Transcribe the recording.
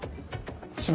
志摩。